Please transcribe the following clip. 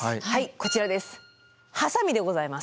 こちらです。